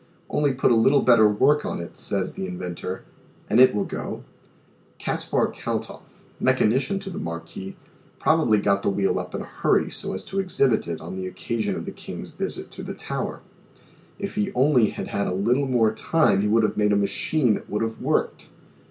Only put a little better work on it, says the inventor, and it will go. Caspar Kaltoff, mechanician to the Marquis, probably got the wheel up in a hurry so as to exhibit it on the occa sion of the king's visit to the tower. If he only had had a little more time he would have made a machine that would have worked.